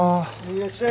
いらっしゃい。